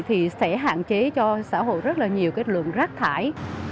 thì sẽ hạn chế cho xã hội rất là nhiều cái lượng rác thải